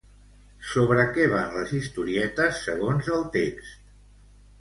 Sobre què van les historietes segons el text?